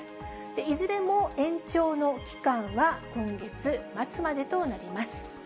いずれも延長の期間は今月末までとなります。